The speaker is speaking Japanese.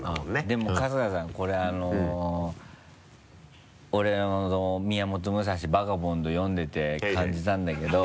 でも春日さんこれ俺宮本武蔵「バガボンド」読んでて感じたんだけど。